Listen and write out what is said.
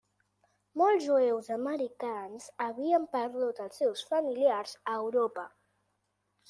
Molts jueus americans havien perdut als seus familiars a Europa.